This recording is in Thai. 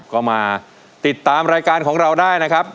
ก็มาติดตามรายการของเราได้นะครับ